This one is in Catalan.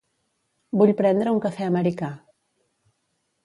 Vull prendre un cafè americà.